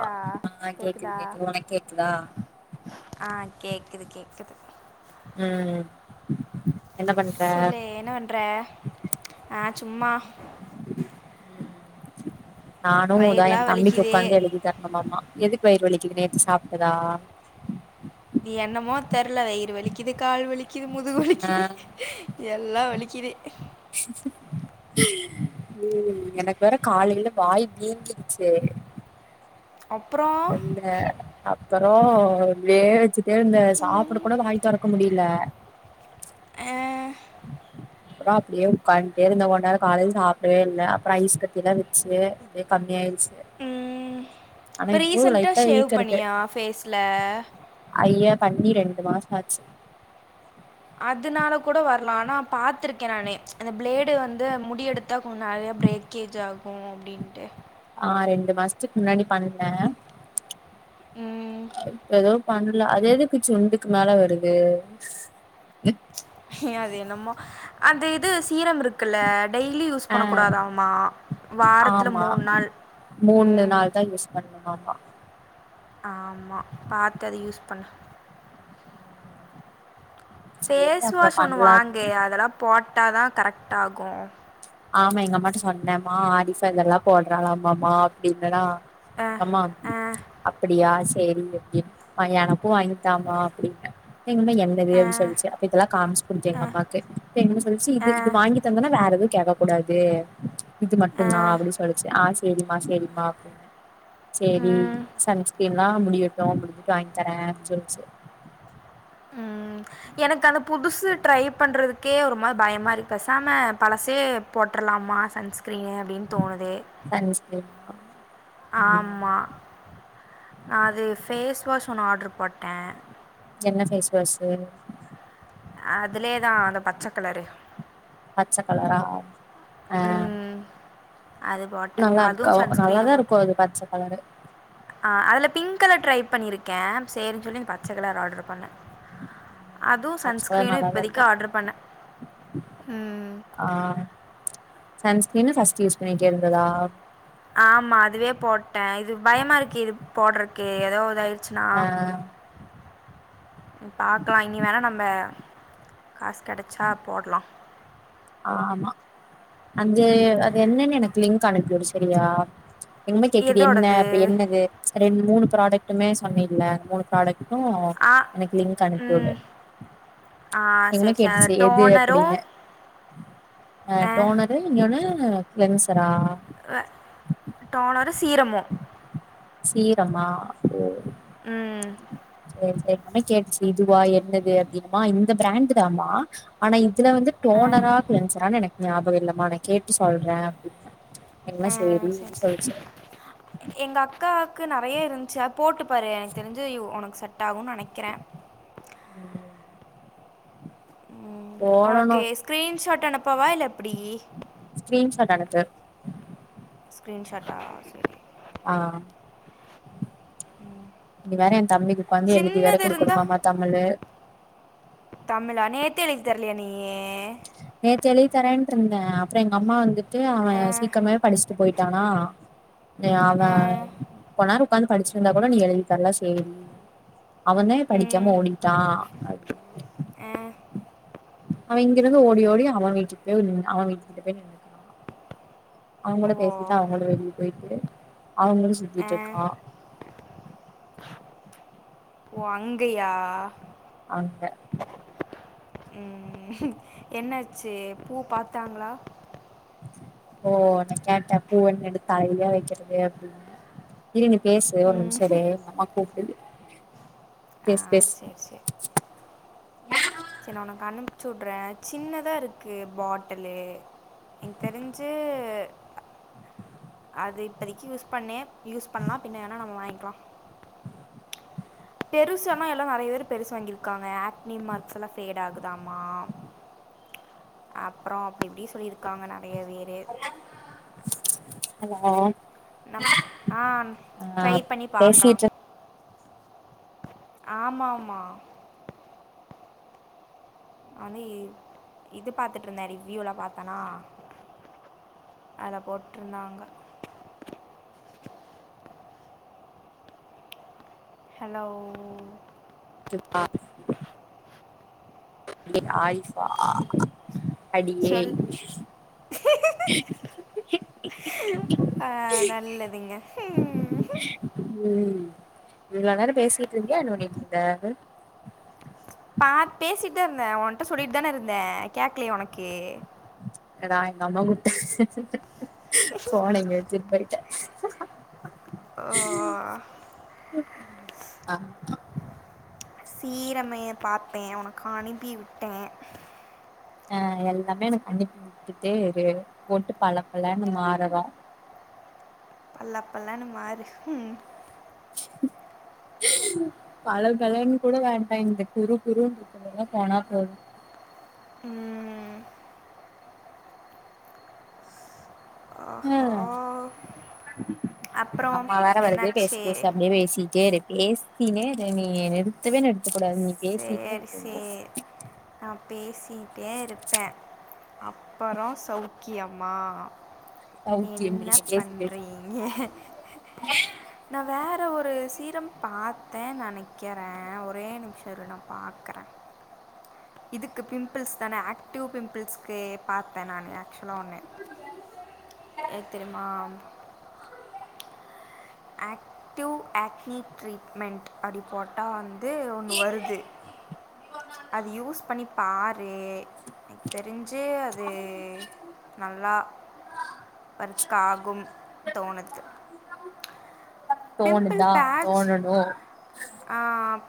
தா ஆ கேக்குது கேக்குதா கேக்குது உனக்கு கேக்குதா ஆ கேக்குது கேக்குது ம் என்ன பண் செல்லு என்ன பண்ற ஆ சும்மா நானு உதா எ வயிறுலா தம்பிக்கு வலிக்குது உக்காந்து எழுதி தர ஆமா ஆமா எதுக்கு வயிறு வலிக்குது நேத்து சாப்டதா என்னமோ தெர்ல வெயிறு வலிக்குது கால் வலிக்குது முது ஆ வலிக்குது எல்லா வலிக்குது ம் எனக்கு வேற காலைல வாய் வீங்கிடுச்சு அப்புறோ இல்ல அப்பறோ வேலைக்கு எழுந்த சாப்ட கூட அந்த வாய்‌ தொறக்க முடியல ஆ அப்புறோ அப்படியே உக்காந்து இப்ப எழுந்த ஒடனே காலையில சாப்டவே இல்ல அப்புறோ ஐஸ் கட்டி ச்சே அப்டே கம்மியாயிருச்சு ம் ம் ஆனா இப்ப இப்போ ரீசண்டா லைட்டா ஷேவ் பண்ணியா ஃபேஸ்ல அய்ய பண்ணி ரெண்டு மாசோ ஆச்சு அதனால கூட வரலா ஆனா பாத்துருக்க நானு அந்த பிளேடு வந்து முடி எடுத்தா கொஞ்சோ நறையா பிரேக் கேஜாகு அப்டின்ட்டு ஆ ரெண்டு மாசத்துக்கு முன்னாடி பண்ண ம் இப்ப ஏது பண்ணல அது எதுக்கு சுண்டுக்கு மேல வருது அது என்னமோ அந்த இது சீரம் இருக்குல்ல டெய்லி யூஸ் யூஸ் பண்ணக்கூடாதமா வாரத்துல ஆமா மூண் நாள் ம் பண்ணணுனா ஆமா பாத்து அத யூஸ் பண்ணு சேரி ஃபேஸ் அப்றோ வாஷ் ஒன்னு பண்லா அப்டின்னு வாங்கு அதெல்லா போட்டா தா கரெக்ட் ஆகு ஆமா எங்க அம்மாட்ட சொன்னம்மா ஆதிஃபா இதெல்லா போடுறாளமாம்மா அப்டின்னன்னா ஆ எங்க அம்மா வந் ஆ அப்படியா சேரி அப்டின்னு அம்மா எனக்கு வாங்கித்தாமா அப்டின்ன எங்க அம்மா என் ஆ தெரியாது சொல்லுச்சு அப்ப இதெல்லா காமிச்சு குடுத்தே எங்க அம்மாக்கு அப்ப எங்க அம்மா சொல்லுச்சு ஆ இது இது வாங்கி தந்தனா வேற எது கேக்க கூடாது இது மட்டு தா அப்டி சொல்லுச்சு ஆ சேரிமா சேரிமா அப்டின்ன சரி ம் சன்ஸ்கிரீன்ல்லா முடியட்டு அப்டிந்துட்டு வாங்கி தரேன் அப்டினு சொல்லிச்சு ம் எனக்கு அந்த புதுசு ட்ரை பண்றதுக்கே ஒரு மாரி பயமா இருக்கு பேசாம பழசே போட்றலாமா சன் ஸ்கிரீன்னு அப்டின்னு தோணுது சன்ஸ்கிரீன்னா ஆமா நா அது ஃபேஸ் வாஷ் ஒன்னு ஆர்டர் போட்ட என்ன ஃபேஸ் வாஷ்சு அதுலே தா அந்த பச்ச‌ கலரு பச்ச கலரா ஆ ம் அது போட்டேன் நல்லா இருக்கு அதுவும் நல்லாதா சன்ஸ்க்ரீனும் போட்டேன் இருக்கு அது பச்ச கலரு ஆ அதுல பிங்க் கலர் ட்ரை பண்ணி இருக்க சேரின் சொல்லி அந்த பச்ச கலர் ஆர்டர் பண்ண அதுவு பச்ச கலர் சன்ஸ்கிரீனு நல்லாதா இப்பதைக்கு இருக்கு ஆர்டர் பண்ணே ம் ஆ சன்ஸ்கிரீனு ஃபர்ஸ்ட் யூஸ் பண்ணிட்டே இருந்ததா ஆமா அதுவே போட்டே இது பயமா இருக்கு இது போடுறக்கு ஏதோ இதா யி ச்சுனா ஆ பாக்கலா இனி வேணா நம்ப காசு கிடைச்சா போடலா ஆமா அஞ்சு அது என்னன்னு எனக்கு லிங்க் அனுப்பி விடு சரியா எங் அம்மா கேக்குது என்ன எதோடது அப்டி என்னது ரெண்டு மூணு ப்ராடக்டுமே சொன்னில மூணு ப்ராடக்ட்டு ஆ எனக்கு லிங்க் அனுப்பி வுடு ம் ஆ எங் அம்மா சரி சரி கேட்டுச்சு எது டோனரும் அப்டின்னு டோனரு இன்ணோனு கிளன்சரா வ டோனரு சீரமு சீரமா ஓ ம் சேரி சேரி எங் அம்மா கேட்டுச்சு இதுவா என்னது அப்டின்னு மா இந்த பிராண்ட் தாமா ஆனா இதுல வந்து டோனரா க்ளன்சரானு எனக்கு ஞாபகம் இல்லமா நா கேட்டு சொல்றே அப்டினே எங்ளா சேரி அப்டி சொல்லிச்சு எங்க அக்காவுக்கு நெறைய இருந்துச்சு போட்டு பாரு எனக்கு தெரிஞ்சு ஒனக்கு செட் ஆகுனு நெனைக்கிறே ம் ம் போடணு ஒனக்கு ஸ்கிரீன்ஷாட் அனுப்பவா இல்ல எப்டி ஸ்கிரீன் ஷாட் அனுப்பு ஸ்கிரீன் ஷாட்டா சேரி ஆ இனி வேற என் தம்பிக்கு உக்காந்து எழுதி வேற சின்னது குடுக்கணு இருந்தா மாமா தமிழு தமிழா நேத்தே எழுதி தரலயா நீ நேத்து எழுதி தரேன்ட்ருந்தே அப்ற எங்க அம்மா வந்து ட்டு அவ ஆ, சீக்ரமே படிச்ட்டு போயிட்டானா ஆ, அவன் கொ நேரோ ஒக்காந்து படிச்சிருந்தா கூட நீ எழுதி தர்ல சேரி அவந்தே படிக்காம ஓடிட்டா அ அவ இங்கிருந்து ஓடி ஓடி அவன் வீட்டுக்கு போய் அவன் வீட்டுக்கிட்ட போய் நின்னுக்கு அவ கூட ஓ பேசிட்டு அவங்கூட வெளிய போயிட்டு அவங்களு ஆ, சுத்திட்டு இருக்கா ஓ அங்கையா அங்க ம் என்னாச்சு பூ பாத்தாங்களா ஓ நா கேட்டேன் பூ ஒன்னு எடுத்து தலையிலயா வக்கிறது அப்டின்னு இல்ல நீ பேசு ஒரு நிமிஷம் இரு எங்க அம்மாக்கு கூப்ட்டு ஆ பேசு பேசு சரி சரி சரி நா உனக்கு அனுப்பிச்சு உடுறே சின்னதா இருக்கு பாட்டுலு எனக் தெரிஞ்சு அது இப்பதக்கி யூஸ் பண்ணே யூஸ் பண்லா பின்ன வேணா நம்ம வாங்கிக்லா பெருசு அல்லா எல்லா நெறய பேரு பெருசு வாங்கிருக்காங்க ஆக்னி மார்க்ஸ் எல்லா ஃபேட் ஆகுதாமா அப்ற அப்டி இப்டி சொல்லிருக்காங்க நெறய வேரு ஹலோ நம் ஆ ஆ ட்ரை பண்ணி பாக்கலாம் பேசிட்டு ஆமாமா அதேய் இது பாத்துட்ருந்தே ரிவ்யூலா பாத்தனா அத போட்ருந்தாங்க ஹலோ சிப்பா [inaudible] ஆயிப்பா ஆ அடியேய் சொல் ஆ நல்லதுங்க ம் ம் இவ்ளோ நேரம் பேசிட்டு இருந்தியா என்ன பண்ணிட்டு இருந்த பாத் பேசிட் தான் இருந்தேன் ஒன்ட்ட சொல்லிட்டு தான இருந்தேன் கேக்லயா ஒனக்கு அதா எங்க அம்மா கூப்ட ஃபோன இங்கச்சுட் போயிட்டன் ஓ, ஆ [inaudible] சீரமைய பாப்பேன் உனக்கு அனுப்பி வுட்டேன் அ எல்லாமே எனக்கு பண்ணிப் குடுத்துட்டே இரு போட்டு பளப்பளனு மாறுறோ பளப்பளனு மாறு ஹும் பளப் பளன் கூட வேண்டா இந்த குரு குருன் இருக்கலனா போனா போதும் ம் அ ஓஹோ எங்க அப்புறம் அம்மா வேற வருது பேஸ் என்னாச்சு பேசாமலே பேசிட்டே இருக் பேசினேரு நீ நிறுத்தவே நிறுத்த கூடாது நீ பேசிட்டே இருக்கனும் நா பேசிட்டே இருப்பே அப்பறம் சௌக்கியமா சௌக்கியமே பேசு பேசு ஏ நா வேற ஒரு சீரம் பாத்த நெனைக்கிறன் ஒரே நிம்ஷொ இரு நா பாக்குற இதுக்கு பிம்பிள்ஸ் தான ஆக்டிவ் பிம்பிள்ஸ்க்கு பாத்த நானு ஆக்ச்சுல ஒண்ணு எத்தெரிமா ஆக்டிவ் ஆக்னி ட்ரீட்மெண்ட் அப்டி போட்டா வந்து ஒண்ணு வருது அது யூஸ் பண்ணி பாரு தெரிஞ்சே அது நல்லா ஒர்க் ஆகும் தோணுது தோணுதா தோணணு அ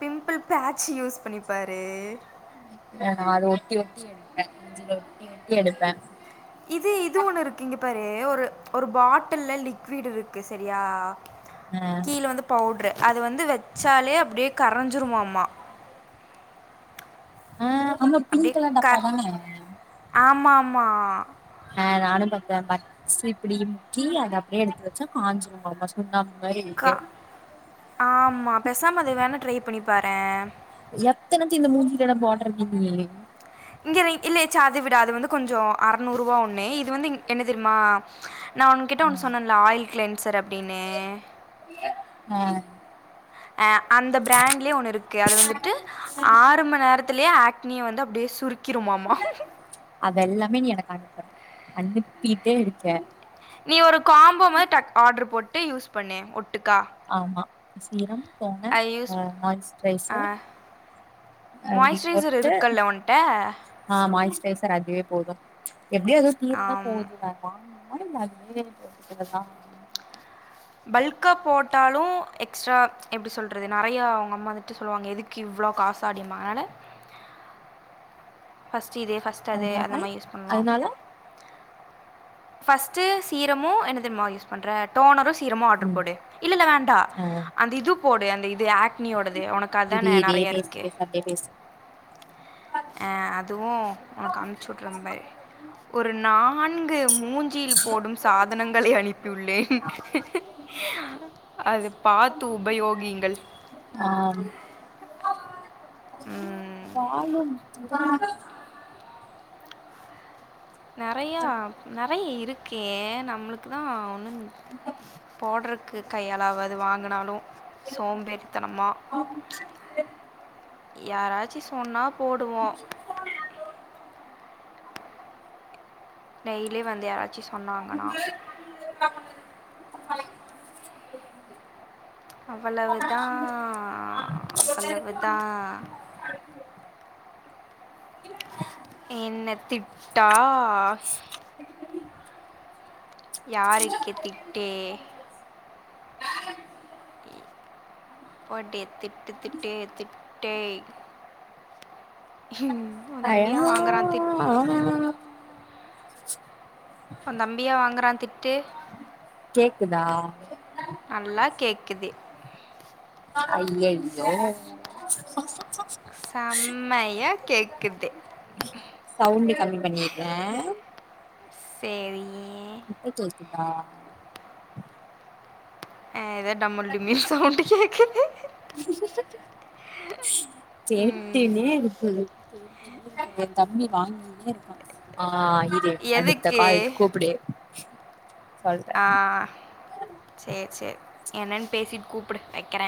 பிம்பிள் பேட்சு யூஸ் பண்ணிப்பாரு அ நா ஒட்டி ஒட்டி எடுப்பே மூஞ்சில ஒட்டி ஒட்டி எடுப்பே இது இது ஒன்னு இருக்கு இங்க பாரு ஒரு ஒரு பாட்டில்ல லிக்விட் இருக்கு சரியா ம் கீழ வந்து பவுட்ரு அது வந்து வச்சாலே அப்டியே கரைஞ்சிருமாமா ஆ அந்த பிங்க் கலர் டப்பாதான ஆமாமா ஆ நானும் பாத்தேன் பட்ஸ் இப்டி முக்கி அத அப்டியே எடுத்து வச்சா காஞ்சிருமாமா [unintelligible] ஒன்ன மாரி இருக்கே ஆமா பேசாம அது வேணா ட்ரை பண்ணி பாரென் எத்தனத்து இந்த மூஞ்சிலலா போட்றது இங்க இல்லய சார்ஜ விடு அது வந்து கொஞ்ச அறநூறு ரூவா ஒண்ணு இது வந்து என்ன தெரியுமா நா உன்கிட்ட ஒன்னு சொன்னேன்ல ஆயில் கிளென்சர் அப்டின்னு அ அந்த பிராண்ட்லயே ஒன்னு இருக்கு அது வந்துட்டு ஆறு மண் நேரத்துலயே ஆக் துணிய வந்து அப்டியே சுருக்கிருமாமா அதெல்லாமே நீ எனக்கு அனுப்பு அனுப்பிட்டே இருக்க நீ ஒரு காம்போ மாரி டக் ஆர்ட்ரு போட்டு யூஸ் பண்ணு ஒட்டுக்கா ஆமா சீரம் டோனர் அது யூஸ் ஆ மாய்ஸ்ட்ரைசர் அப்டி மாய்ஸ்சரைஸர் போட்டு இருக்குல்ல உன்ட்ட ஆ மாய்ஸ்சரைஸர் அதுவே போது எப்டியோ அதுவு தீரதா போதுல வாங்கனுமா இல்ல அது மேலயே போட்டுக்கிறதா அப்டின்ருக்கே பல்க்கா போட்டாலு எக்ஸ்ட்ரா எப்டி சொல்றது நெறயா அவுங்க அம்மா எடுத்து சொல்லுவாங்க எதுக்கு இவ்ளோ காசாடி வாங்க அதனால ஃபஸ்ட்டு இது ஃபர்ஸ்ட்டு அது அதனால அந்த மாரி யூஸ் பண்லா அதனால ஃபர்ஸ்ட்டு சீரமு என்ன தெரியுமா யூஸ் பண்ற டோனரு சீரமு ஆர்டர் ம் போடு இல்ல இல்ல வேண்டா ஆ அந்த இது போடு அந்த இது ஆக்னியோடது உனக்கு அதான நெறய இருக்கு எ ஃபேஸ் அ அதுவு உனக்கு அனுப்ச்சு விடுற பாரு ஒரு நான்கு மூன் ஞ்சில் போடும் சாதனங்களை அனுப்பியுள்ளேன் அது பாத்து உபயோகிங்கள் ஆம் ம், நெறயா நெறய இருக்கே நம்மளு க்கு தா ஒன்னு போட்றக்கு கையாலாவாது வாங்குனாலு சோம்பேறித்தனமா யாராச்சு சொன்னா போடுவோ டெய்லி வந்து யாராச்சு சொன்னாங்கன்னா அவ்வளவு தா அவ்வளவு தா என்ன திட்டா யாருக்கி திட்டே போடி திட்டு திட்டு திட்டே ஹும் ஆழகா [unintelligible] உ தம்பியா வாங்குறா திட்டு கேக்குதா நல்லா கேக்குது ஐயய்யோ சம்மையா கேக்குது சவுண்டு கம்மி பண்ணிகிற சேரி இப்ப கேக்குதா ஆ ஏத டமல் டுமில்னு சவுண்டு கேக்குது [unintelligible] ம், கேட்டுனே இருக்கு என் தம்பி வாங்கிகினே இருக்கான் ஆ விடு அடுத்த எதுக்கு கால் கூப்புடு சல் ஆ சேர் சேர் என்னென் பேசிட்டு கூப்டு வக்கிற